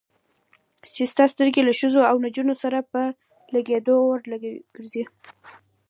چې ستا سترګې له ښځو او نجونو سره په لګېدو اور ګرځي.